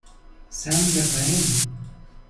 San Rafael.